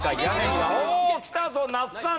きたぞ那須さん。